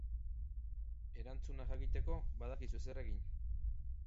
Erantzuna jakiteko, badakizue zer egin!